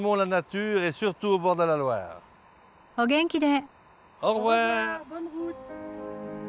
お元気で。